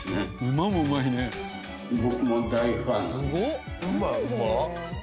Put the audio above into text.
馬うまっ！